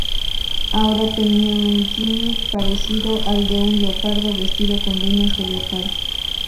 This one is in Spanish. Ahora tenía un gimmick parecido al de un leopardo, vestido con líneas de leopardo.